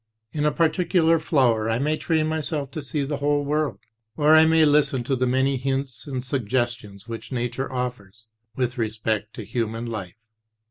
In a particular flower I may train myself to see the whole world; or I may listen to the many hints and suggestions which Nature offers with respect to human life.